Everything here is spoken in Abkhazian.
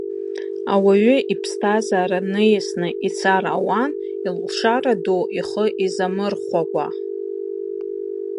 Ауаҩы иԥсҭазаара ниасны ицар ауан, илшара ду ихы изамырхәакәа.